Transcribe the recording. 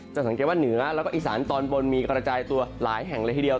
สังเกตว่าเหนือแล้วก็อีสานตอนบนมีกระจายตัวหลายแห่งเลยทีเดียว